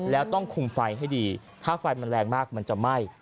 แล้วต้องคุมไฟให้ดีถ้าไฟมันแรงมากมันจะไหม้